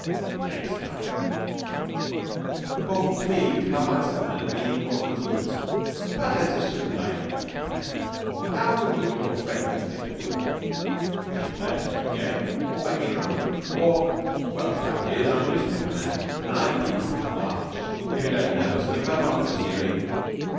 "Nay," said I, "for to me cards have neither meaning nor continuity; but let us assume that I am going to play. How would you and your friends get to work? Would you play a straight game, or make me drunk, or well, the fact is, I'm a newspaper man, and I'd be much obliged if you'd let me know something about bunco steering."